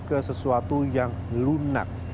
ke sesuatu yang lunak